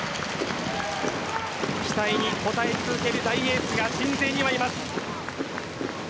期待に応え続ける大エースが鎮西にはいます。